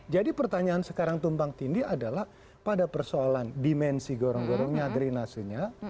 jadi pertanyaan sekarang tumpang tindi adalah pada persoalan dimensi gorong gorongnya derinasinya